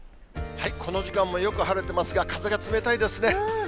この時間もよく晴れてますが、風が冷たいですね。